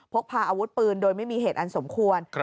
พกพาอาวุธปืนโดยไม่มีเหตุอันสมควร